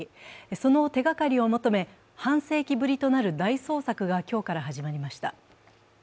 その手がかりを求め、半世紀ぶりとなる大捜索が今日から始まりました。